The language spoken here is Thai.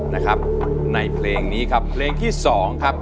ในเพลงนี้ครับเพลงที่๒ครับ